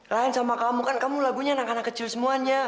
lain sama kamu kan kamu lagunya anak anak kecil semuanya